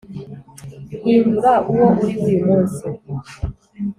hindura uwo uriwe uyu munsi.